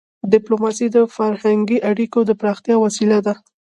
ډيپلوماسي د فرهنګي اړیکو د پراختیا وسیله ده.